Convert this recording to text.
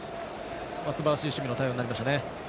すばらしい守備の対応になりましたね。